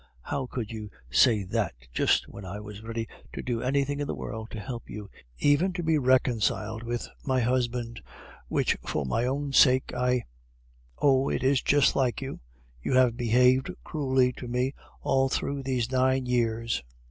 How could you say that just when I was ready to do anything in the world to help you, even to be reconciled with my husband, which for my own sake I Oh! it is just like you; you have behaved cruelly to me all through these nine years."